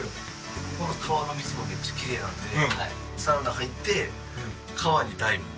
ここの川の水もめっちゃキレイなんでサウナ入って川にダイブもできる。